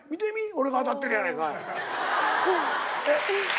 俺が当たってるやないかい。